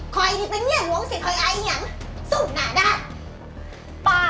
คอยอีกแล้วเงียหลวงเสียคอยอายอีกยังสุขหนาด้า